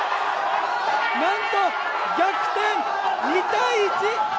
なんと逆転、２−１！